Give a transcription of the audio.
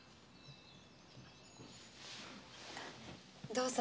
どうぞ。